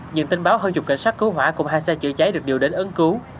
nhưng tin báo hơn chục cảnh sát cứu hỏa cùng hai xe chữa cháy được điều đến ấn cứu